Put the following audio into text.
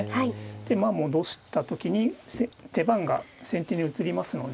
でまあ戻した時に手番が先手に移りますので。